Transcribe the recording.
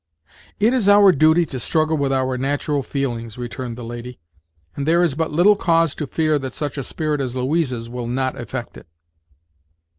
"It is our duty to struggle with our natural feelings," returned the lady; "and there is but little cause to fear that such a spirit as Louisa's will not effect it."